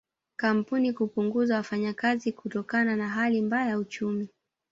Kampuni kupunguza wafanyakazi kutokana na hali mbaya ya uchumi